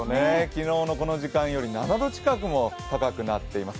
昨日のこの時間より、７度近くも高くなっています。